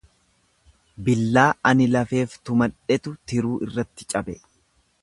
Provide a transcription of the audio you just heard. Billaa ani lafeef tumadhetu tiruu irratti cabe.